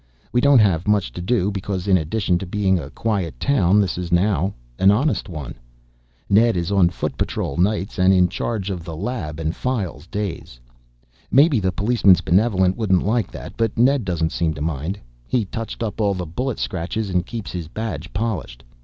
We don't have much to do because in addition to being a quiet town this is now an honest one. Ned is on foot patrol nights and in charge of the lab and files days. Maybe the Policeman's Benevolent wouldn't like that, but Ned doesn't seem to mind. He touched up all the bullet scratches and keeps his badge polished.